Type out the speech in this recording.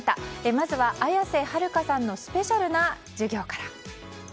まずは綾瀬はるかさんのスペシャルな授業から。